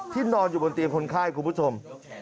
นอนอยู่บนเตียงคนไข้คุณผู้ชม